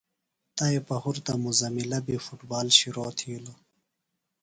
تائی پہُرتہ مزملہ بیۡ فُٹ بال شِرو تِھیلوۡ۔